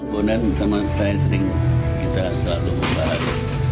bondan bersama saya sering kita selalu berbicara